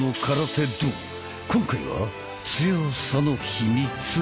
今回は「強さの秘密」。